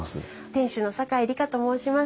店主の酒井里香と申します。